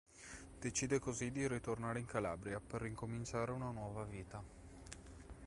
Decide così di ritornare in Calabria, per ricominciare una nuova vita.